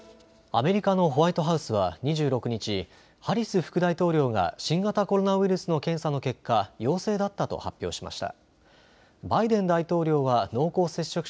アメリカのホワイトハウスは２６日、ハリス副大統領が新型コロナウイルスの検査の結果、陽性だったと発表しました。